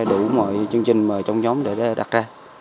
đủ mọi chương trình mà trong nhóm để đặt ra